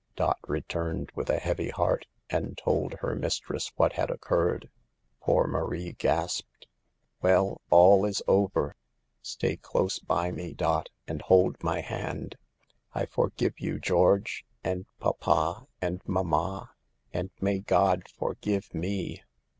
Dot returned with a heavy heart and told her mistress what had occurred. Poor Marie gasped : 44 Well, all is over. Stay close by me, Dot, and hold my hand. I forgive you, George, and papa and mamma, and may God forgive me."